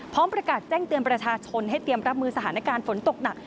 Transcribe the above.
พร้อมประกาศแจ้งเตือนประชาชนให้เตรียมรับมือสถานการณ์ฝนตกหนัก